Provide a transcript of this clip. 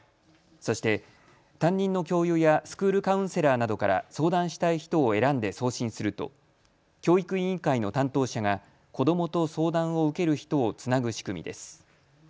そして担任の教諭やスクールカウンセラーなどから相談したい人を選んで送信すると教育委員会の担当者が子どもと相談を受ける人をつなぐ仕組みです。